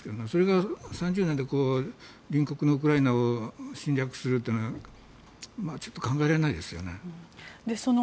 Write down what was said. それが３０年で隣国のウクライナを侵略するというのはちょっと考えられないですよね。